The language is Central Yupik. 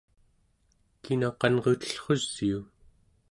kina qanrutellrusiu?